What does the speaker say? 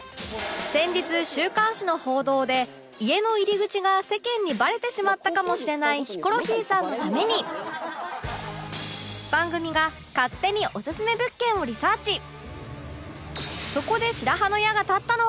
先日週刊誌の報道で家の入り口が世間にバレてしまったかもしれないヒコロヒーさんのために番組が勝手にオススメ物件をリサーチ